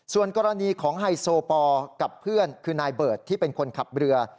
ส่วนกรณีของไฮโซปอลกับเพื่อนคือนายเบิร์ตที่เป็นคนขับเรือ